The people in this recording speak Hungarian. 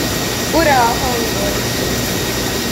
Fura a hangod.